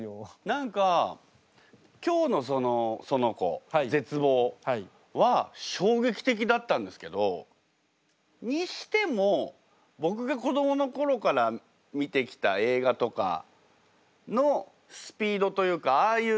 何か今日のそのその子絶望は衝撃的だったんですけどにしても僕が子どもの頃から見てきた映画とかのスピードというかああいう